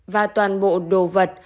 và toàn bộ đồ vật